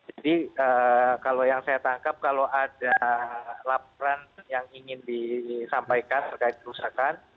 jadi kalau yang saya tangkap kalau ada laporan yang ingin disampaikan terkait kerusakan